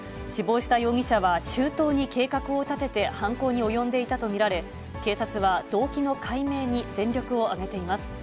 死亡した容疑者は、周到に計画を立てて、犯行に及んでいたと見られ、警察は動機の解明に全力を挙げています。